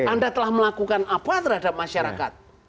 anda telah melakukan apa terhadap masyarakat